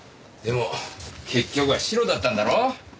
でも結局はシロだったんだろ？